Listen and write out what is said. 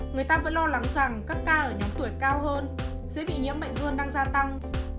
người ta vẫn lo lắng rằng các ca ở nhóm tuổi cao hơn sẽ bị nhiễm bệnh hơn đang gia tăng